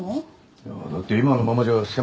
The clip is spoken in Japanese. いやだって今のままじゃ狭いだろ。